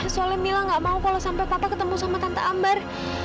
soalnya mila gak mau kalau sampai papa ketemu sama tante ambar